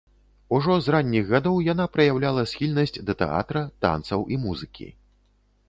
Ужо з ранніх гадоў яна праяўляла схільнасць да тэатра, танцаў і музыкі.